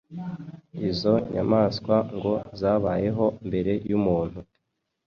izo nyamaswa ngo zabayeho mbere y’umuntu